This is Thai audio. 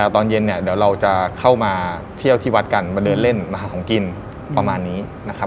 ตอนเย็นเนี่ยเดี๋ยวเราจะเข้ามาเที่ยวที่วัดกันมาเดินเล่นมาหาของกินประมาณนี้นะครับ